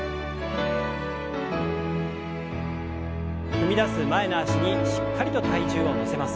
踏み出す前の脚にしっかりと体重を乗せます。